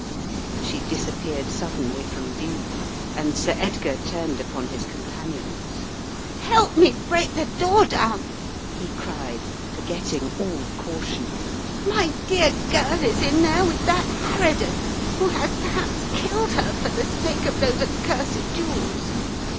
She disappeared suddenly from view and Sir Edgar turned upon his companions. "Help me break the door down," he cried, forget ting all caution. "My dear girl is in there with that harridan, who has perhaps killed her for the sake of those accursed jewels!